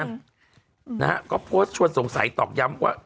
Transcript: นะฮะก็โพสต์ชวนสงสัยตอกย้ำว่า